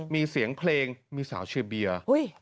มีเสียงเพลงมีสาวชื่อเบียร์